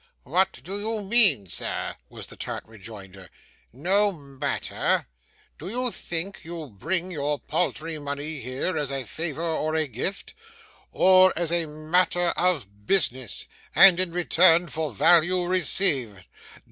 what do you mean, sir?' was the tart rejoinder. 'No matter! Do you think you bring your paltry money here as a favour or a gift; or as a matter of business, and in return for value received?